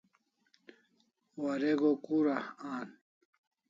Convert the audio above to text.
Warego kura an?